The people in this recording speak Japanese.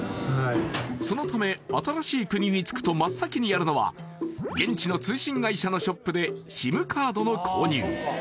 そのため新しい国に着くと真っ先にやるのは現地の通信会社のショップでＳＩＭカードの購入